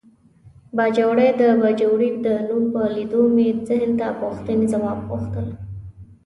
باجوړی د باجوړي د نوم په لیدو مې ذهن ته پوښتنې ځواب غوښتل.